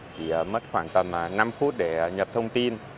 chỉ mất khoảng tầm năm phút để nhập thông tin